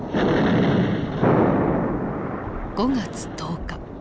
５月１０日。